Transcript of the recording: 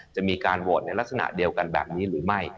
จะมีการโหวตในลักษณะเดียวกันแบบนี้หรือไม่